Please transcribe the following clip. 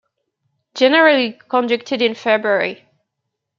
Generally conducted in February.